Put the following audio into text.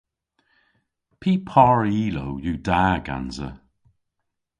Py par ilow yw da gansa?